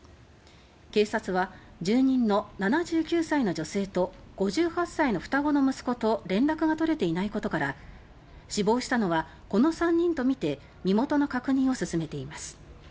警察は住人の７９歳の女性と５８歳の双子の息子と連絡が取れていないことから死亡したのはこの３人とみて身元の確認を進めています。